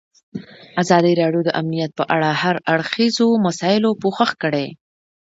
ازادي راډیو د امنیت په اړه د هر اړخیزو مسایلو پوښښ کړی.